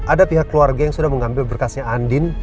ada pihak keluarga yang sudah mengambil berkasnya andin